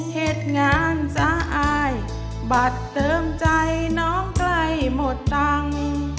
เหตุงานสะอายบัตรเติมใจน้องใกล้หมดตังค์